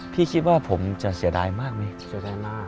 พี่คิดว่าผมจะเสียดายมากมั้ย